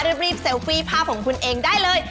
รีบเซลฟี่ภาพของคุณเองได้เลย